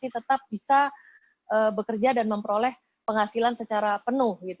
tetap bisa bekerja dan memperoleh penghasilan secara penuh